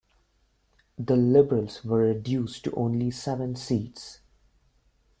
The Liberals were reduced to only seven seats.